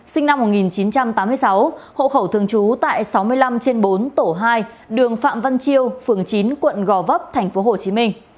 sinh năm một nghìn chín trăm tám mươi sáu hộ khẩu thường trú tại sáu mươi năm trên bốn tổ hai đường phạm văn chiêu phường chín quận gò vấp tp hcm